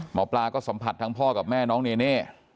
หมอปลาก็สัมผัสทั้งพ่อกับแม่น้องเนเน่